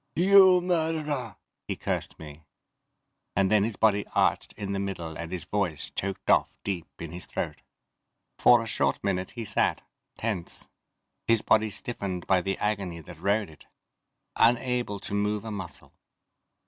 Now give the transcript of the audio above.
"You murderer!" he cursed me, and then his body arched in the middle and his voice choked off deep in his throat. For a short minute he sat, tense, his body stiffened by the agony that rode it unable to move a muscle.